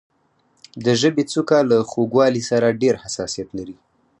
د ژبې څوکه له خوږوالي سره ډېر حساسیت لري.